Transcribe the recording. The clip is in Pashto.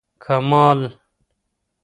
کمال